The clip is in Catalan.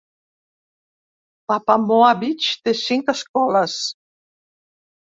Papamoa Beach té cinc escoles.